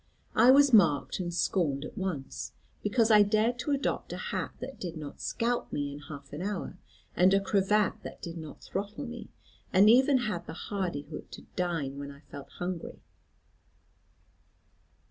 I was marked and scorned at once, because I dared to adopt a hat that did not scalp me in half an hour, and a cravat that did not throttle me; and even had the hardihood to dine when I felt hungry.